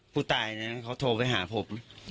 ผู้ตายนะเขาโทรไปหาผม